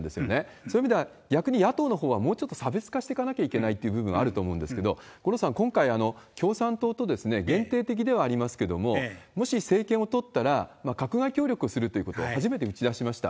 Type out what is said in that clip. そういう意味では、逆に野党のほうはもうちょっと差別化していかなきゃいけないという部分はあると思うんですけど、五郎さん、今回、共産党と、限定的ではありますけれども、もし政権を取ったら、閣外協力をするということ、初めて打ち出しました。